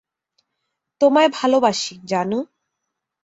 তোমায় ভালোবাসি, জানু।